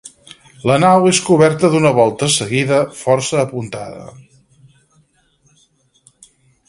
La nau és coberta d'una volta seguida, força apuntada.